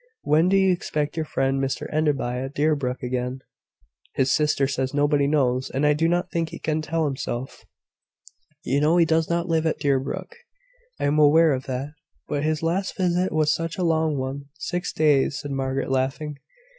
"When do you expect your friend, Mr Enderby, at Deerbrook again?" "His sister says nobody knows; and I do not think he can tell himself. You know he does not live at Deerbrook." "I am aware of that; but his last visit was such a long one " "Six days," said Margaret, laughing. "Ah!